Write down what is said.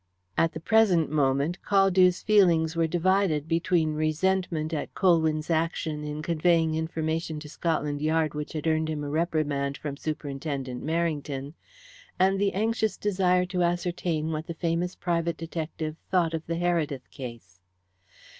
At the present moment, Caldew's feelings were divided between resentment at Colwyn's action in conveying information to Scotland Yard which had earned him a reprimand from Superintendent Merrington, and the anxious desire to ascertain what the famous private detective thought of the Heredith case.